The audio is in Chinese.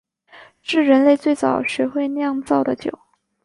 是人类最早学会酿造的酒。